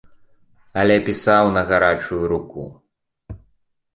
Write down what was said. Але пісаў на гарачую руку.